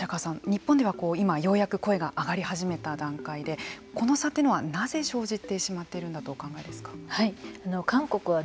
日本では今、ようやく声が上がり始めた段階でこの差はなぜ生じてしまっているんだと韓国は＃